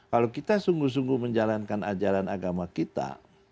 kalau kita sungguh sungguh menjalankan ajaran agama kita